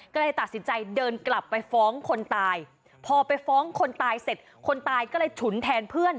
ก็เลยตัดสินใจเดินกลับไปฟ้องคนตายพอไปฟ้องคนตายเสร็จคนตายก็เลยฉุนแทนเพื่อน